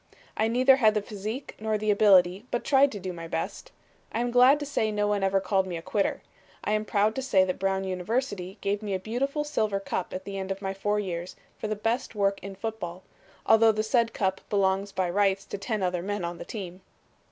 I neither had the physique, nor the ability, but tried to do my best. I am glad to say no one ever called me a quitter. I am proud to say that Brown University gave me a beautiful silver cup at the end of my four years for the best work in football, although the said cup belongs by rights to ten other men on the team."